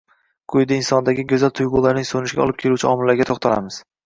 Quyida insondagi go`zal tuyg`ularning so`nishiga olib keluvchi omillarga to`xtalamiz